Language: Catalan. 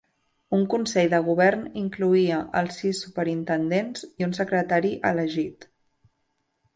Un consell de govern incloïa els sis superintendents i un secretari elegit.